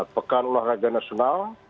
pekan olahraga nasional